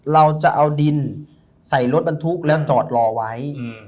เราจะเอาดินใส่รถบรรทุกแล้วจอดรอไว้